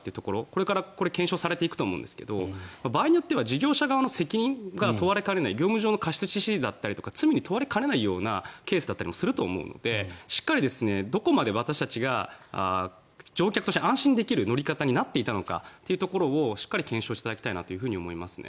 これからこれは検証されていくと思うんですが場合によっては事業者側の責任が問われかねない業務上の過失致死だったりとか罪に問われかねないようなケースだったりすると思うのでしっかりどこまで私たちが乗客として安心できる乗り方になっていたのかというところをしっかり検証していただきたいと思いますね。